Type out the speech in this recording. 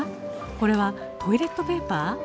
これはトイレットペーパー？